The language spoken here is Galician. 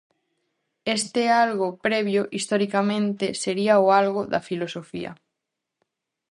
Este "algo" previo, "historicamente", sería o "algo" da filosofía.